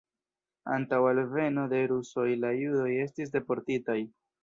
Antaŭ alveno de rusoj la judoj estis deportitaj.